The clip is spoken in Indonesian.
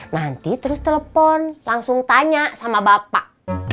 nanti terus telepon langsung tanya sama bapak